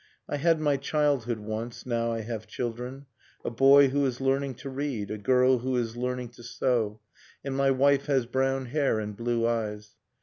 .. I had my childhood once, now I have children, A boy who is learning to read, a girl who is learning to sew. And my wife has brown hair and blue eyes.